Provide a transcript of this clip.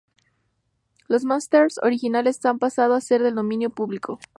Los másters originales han pasado a ser del dominio público.